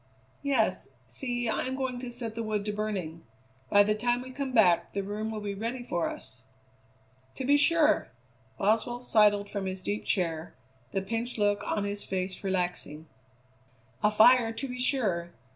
"Yes; see, I am going to set the wood to burning. By the time we come back the room will be ready for us." "To be sure!" Boswell sidled from his deep chair, the pinched look on his face relaxing. "A fire, to be sure.